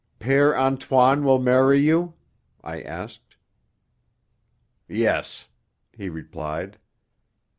"Père Antoine will marry you?" I asked. "Yes," he replied.